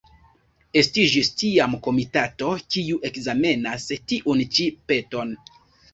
Estiĝis tiam komitato, kiu ekzamenas tiun-ĉi peton.